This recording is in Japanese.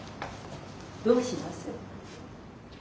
どうします？